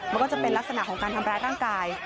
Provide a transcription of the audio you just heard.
มันก็จะเป็นลักษณะของการทำร้ายร่างกาย